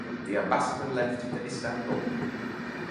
The ambassador left for Istanbul.